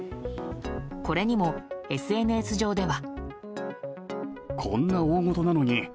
これにも、ＳＮＳ上では。